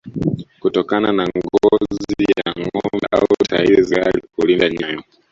kutokana na ngozi ya ngombe au tairi za gari kulinda nyayo